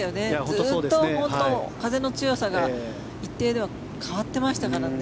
ずっと、風の強さが一定では変わってましたからね。